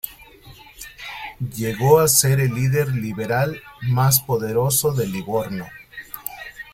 Llegó a ser el líder liberal más poderoso de Livorno.